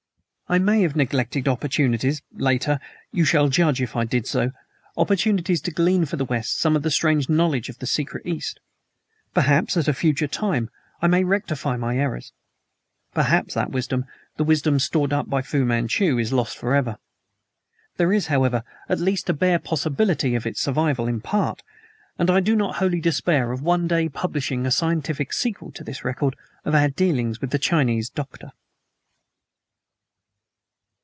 I may have neglected opportunities later, you shall judge if I did so opportunities to glean for the West some of the strange knowledge of the secret East. Perhaps, at a future time, I may rectify my errors. Perhaps that wisdom the wisdom stored up by Fu Manchu is lost forever. There is, however, at least a bare possibility of its survival, in part; and I do not wholly despair of one day publishing a scientific sequel to this record of our dealings with the Chinese doctor.